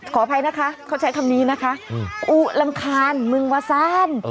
ขออภัยนะคะเขาใช้คำนี้นะคะอุรังคาญมึงวาซาน